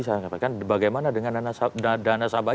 saya katakan bagaimana dengan dana sabah